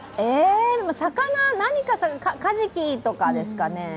魚、何かカジキとかですかね？